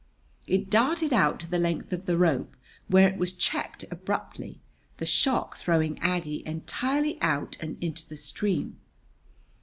It darted out to the length of the rope, where it was checked abruptly, the shock throwing Aggie entirely out and into the stream.